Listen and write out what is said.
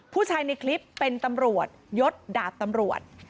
ผู้ชายในคลิปเป็นตำรวจยศดาบตำรวจ